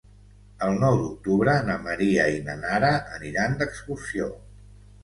El nou d'octubre na Maria i na Nara aniran d'excursió.